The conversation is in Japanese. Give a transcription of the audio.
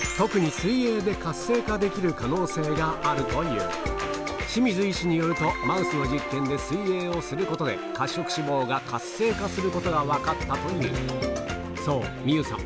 特にできる可能性があるという清水医師によるとマウスの実験で水泳をすることで褐色脂肪が活性化することが分かったというそうみゆさん